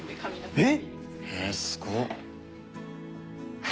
えっ！？